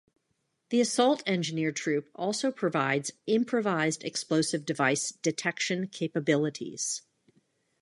The Assault Engineer Troop also provides Improvised Explosive Device detection capabilities.